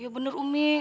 iya bener umi